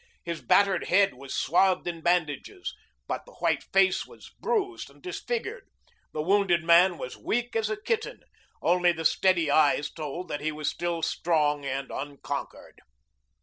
His battered head was swathed in bandages, but the white face was bruised and disfigured. The wounded man was weak as a kitten; only the steady eyes told that he was still strong and unconquered.